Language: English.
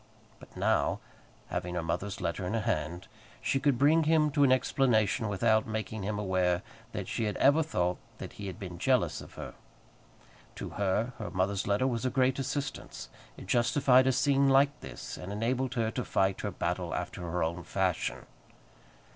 But now, having her mother's letter in her hand, she could bring him to an explanation without making him aware that she had ever thought that he had been jealous of her. To her, her mother's letter was a great assistance. It justified a scene like this, and enabled her to fight her battle after her own fashion.